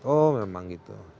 oh memang gitu